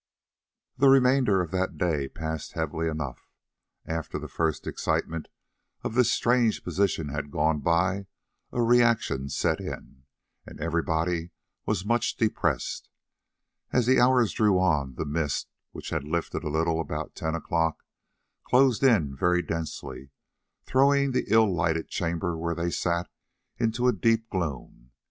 The remainder of that day passed heavily enough. After the first excitement of their strange position had gone by a reaction set in, and everybody was much depressed. As the hours drew on, the mist, which had lifted a little about ten o'clock, closed in very densely, throwing the ill lighted chamber where they sat into a deep gloom.